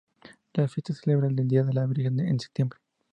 La fiesta se celebra el día de la virgen en septiembre.